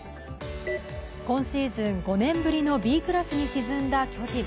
今シーズン５年ぶりのＢクラスに沈んだ巨人。